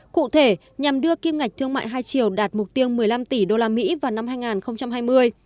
cụ thể nhằm đưa kim ngạch thương mại hai triều đạt mục tiêu một mươi năm tỷ usd vào năm hai nghìn hai mươi